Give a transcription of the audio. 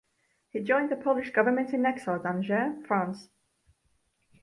He joined the Polish government-in-exile at Angers, France.